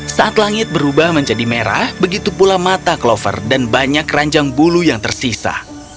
saat langit berubah menjadi merah begitu pula mata clover dan banyak keranjang bulu yang tersisa